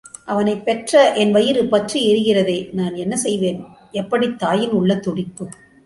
அவனைப் பெற்ற என் வயிறு பற்றி எரிகிறதே, நான் என்ன செய்வேன்? எப்படித் தாயின் உள்ளத்துடிப்பு?